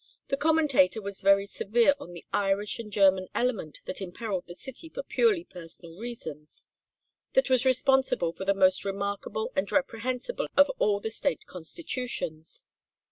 The commentator was very severe on the Irish and German element that imperilled the city for purely personal reasons; that was responsible for the most remarkable and reprehensible of all the State Constitutions.